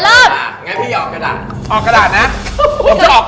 ยังยิงยาวปะกะเป่ายิงช็อป